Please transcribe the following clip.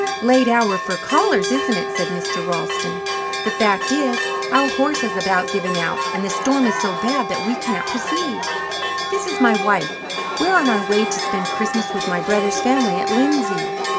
"Late hour for callers, isn't it?" said Mr. Ralston. "The fact is, our horse has about given out, and the storm is so bad that we can't proceed. This is my wife, and we are on our way to spend Christmas with my brother's family at Lindsay.